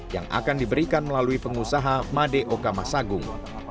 yang akan diberikan melalui pengusaha made okama sagung